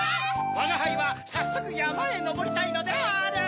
わがはいはさっそくやまへのぼりたいのである。